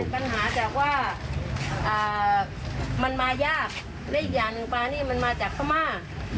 ปัญหาจากว่ามันมายากและอีกอย่างหนึ่งปลานี่มันมาจากพม่า